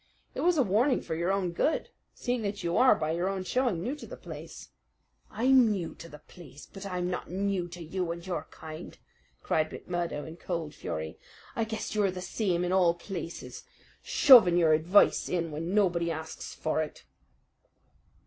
"It was a warning for your own good, seeing that you are, by your own showing, new to the place." "I'm new to the place; but I'm not new to you and your kind!" cried McMurdo in cold fury. "I guess you're the same in all places, shoving your advice in when nobody asks for it."